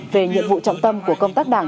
về nhiệm vụ trọng tâm của công tác đảng